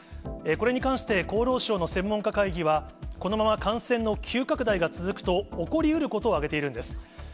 これに関して、厚労省の専門家会議は、このまま感染の急拡大が続くと、起こりうることを挙げているんです。